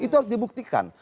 itu harus dibuktikan